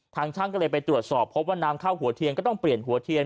ทางช่างก็เลยไปตรวจสอบพบว่าน้ำเข้าหัวเทียนก็ต้องเปลี่ยนหัวเทียน